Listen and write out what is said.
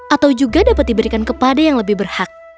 atau juga dapat diberikan kepada yang lebih berhak